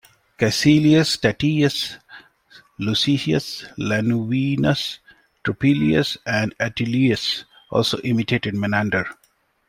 Caecilius Statius, Luscius Lanuvinus, Turpilius and Atilius also imitated Menander.